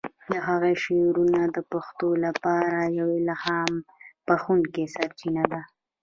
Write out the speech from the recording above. د هغه شعرونه د پښتنو لپاره یوه الهام بخښونکی سرچینه ده.